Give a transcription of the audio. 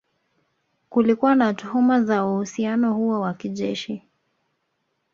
Kulikuwa na tuhuma za uhusiano huo wa kijeshi